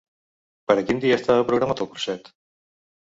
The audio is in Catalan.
Per a quin dia estava programat el curset?